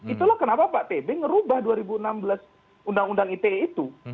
itulah kenapa pak tb ngerubah dua ribu enam belas undang undang ite itu